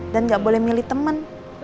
dan gak boleh milih temen